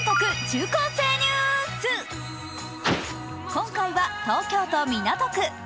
今回は東京都港区。